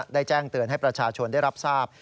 แจ้งเตือนให้ประชาชนได้รับทราบ